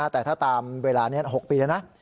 แต่ถ้าตามเวลานี้๖ปีแล้วนะ